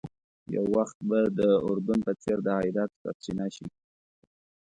یو وخت به د اردن په څېر د عایداتو سرچینه شي.